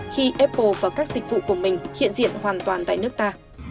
khi apple và các dịch vụ của mình hiện diện hoàn toàn tại nước ta